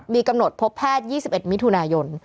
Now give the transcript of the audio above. มีกำหนดพบแพทย์๒๑มิถุนายน